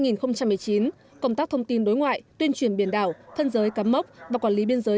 năm hai nghìn một mươi chín công tác thông tin đối ngoại tuyên truyền biển đảo phân giới cắm mốc và quản lý biên giới